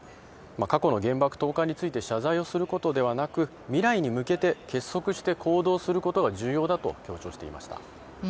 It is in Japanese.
過去の原爆投下について謝罪をすることではなく未来に向けて結束して行動することが重要だと強調していました。